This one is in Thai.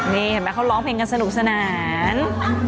นี่เห็นไหมเขาร้องเพลงกันสนุกสนาน